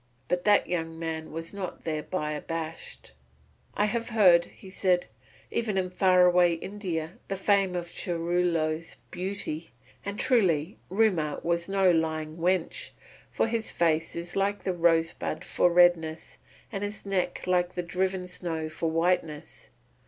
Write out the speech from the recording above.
But that young man was not thereby abashed. "I have heard," he said, "even in far away India, the fame of Churilo's beauty, and truly Rumour was no lying wench, for his face is like the rosebud for redness and his neck like the driven snow for whiteness.